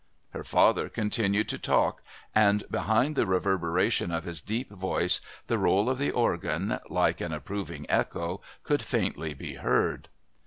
Her father continued to talk, and behind the reverberation of his deep voice the roll of the organ like an approving echo could faintly be heard.